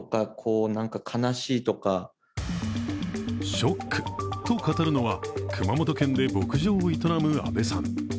ショックと語るのは、熊本県で牧場を営む阿部さん。